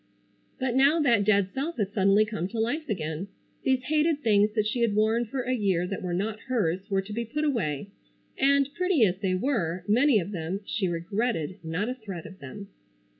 But now that dead self had suddenly come to life again. These hated things that she had worn for a year that were not hers were to be put away, and, pretty as they were, many of them, she regretted not a thread of them.